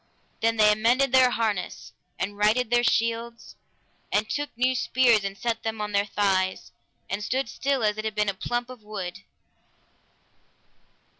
Then they amended their harness, and righted their shields, and took new spears and set them on their thighs, and stood still as it had been a plump of wood.